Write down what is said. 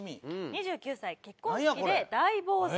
「２９歳結婚式で大暴走！